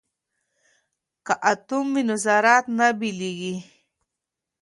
که اټوم وي نو ذرات نه بېلیږي.